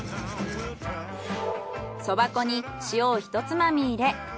そば粉に塩をひとつまみ入れ